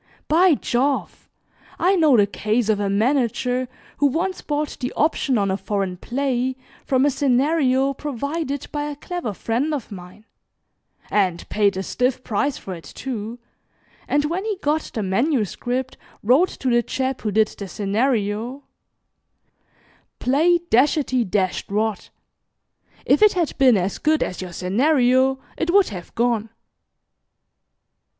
By Jove, I know the case of a manager who once bought the option on a foreign play from a scenario provided by a clever friend of mine and paid a stiff price for it, too, and when he got the manuscript wrote to the chap who did the scenario 'Play dashety dashed rot. If it had been as good as your scenario, it would have gone.'